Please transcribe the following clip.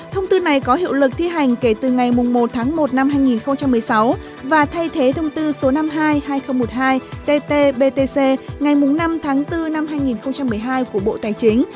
thông tư này có hiệu lực thi hành kể từ ngày một tháng một năm hai nghìn một mươi sáu và thay thế thông tư số năm mươi hai hai nghìn một mươi hai tt btc ngày năm tháng bốn năm hai nghìn một mươi hai của bộ tài chính